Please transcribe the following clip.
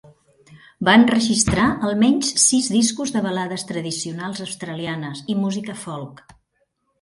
Va enregistrar almenys sis discos de balades tradicionals australianes i música folk.